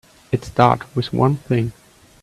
It start with one thing.